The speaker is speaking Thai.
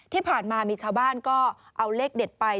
ที่ผ่านมามีชาวบ้านก็เอาเลขเด็ดไป